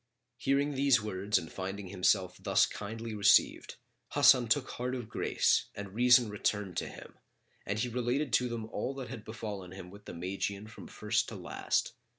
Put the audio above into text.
Hearing these words and finding himself thus kindly received, Hasan took heart of grace and reason returned to him and he related to them all that had befallen him with the Magian from first to last.